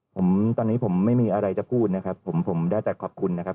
ผมตอนนี้ผมไม่มีอะไรจะพูดนะครับผมผมได้แต่ขอบคุณนะครับ